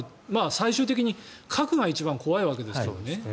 最終的に核が一番怖いわけですね。